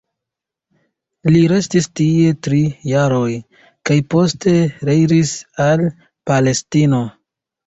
Li restis tie tri jaroj, kaj poste reiris al Palestino.